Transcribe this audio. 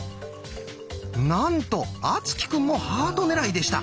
なんと敦貴くんもハート狙いでした。